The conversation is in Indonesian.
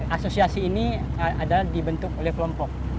asosiasi ini adalah dibentuk oleh kelompok